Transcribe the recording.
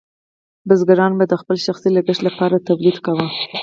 بزګرانو به د خپل شخصي لګښت لپاره تولید کاوه.